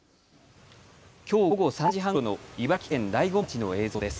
きょう午後３時半ごろの茨城県大子町の映像です。